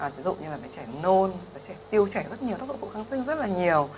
ví dụ như là mấy trẻ nôn mấy trẻ tiêu trẻ rất nhiều tác dụng kháng sinh rất là nhiều